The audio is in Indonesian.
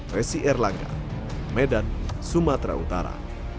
resi erlangga medan sumatera utara